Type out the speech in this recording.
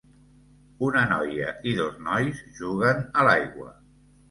Una noia i dos nois juguen a l'aigua.